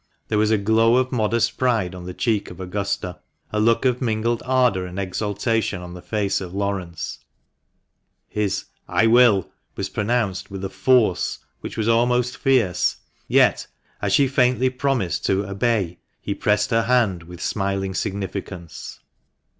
There was a glow of modest pride on the cheek of Augusta; a look of mingled ardour and exultation on the face of Laurence ; his " I will " was pronounced with a force which was almost fierce, yet, as she faintly promised to "obey," he pressed her hand with smiling significance.